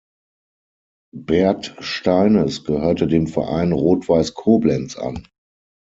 Bert Steines gehörte dem Verein Rot-Weiß Koblenz an.